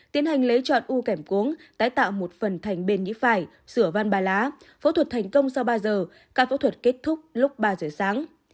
tiến hành lấy chọn u kẻm cuống tái tạo một phần thành bên nhĩ phải rửa van ba lá phẫu thuật thành công sau ba giờ ca phẫu thuật kết thúc lúc ba giờ sáng